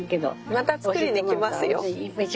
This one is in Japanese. またつくりにきますよ。